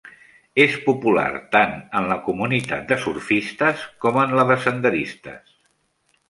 És popular tant en la comunitat de surfistes com en la de senderistes.